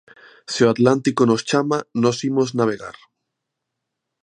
Se o Atlántico nos chama, nós imos navegar.